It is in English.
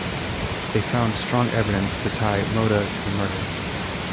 They found strong evidence to tie Motta to the murder.